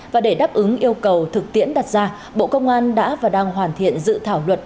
và để đáp ứng yêu cầu thực tiễn đặt ra bộ công an đã và đang hoàn thiện dự thảo luật